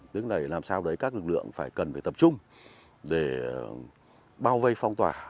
tức là làm sao đấy các lực lượng phải cần phải tập trung để bao vây phong tỏa